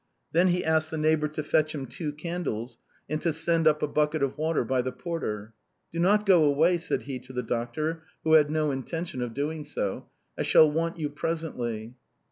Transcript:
Then he asked the neighbor to fetch him two candles, and to send up a bucket of water by the porter. " Do not go away," said he to the doctor, who had no intention of doing so ; "I shall want you presently."